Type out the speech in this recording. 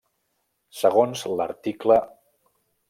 Segons l'article.